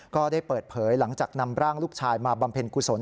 ก็ได้เปิดเผยหลังจากนำร่างลูกชายมาบำเพ็ญกุศล